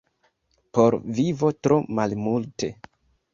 Por vivo tro malmulte.